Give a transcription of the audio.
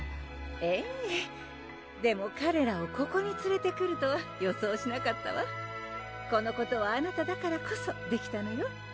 ええでも彼らをここにつれてくるとは予想しなかったわこのことはあなただからこそできたのよ